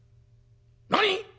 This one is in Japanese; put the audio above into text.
「何！？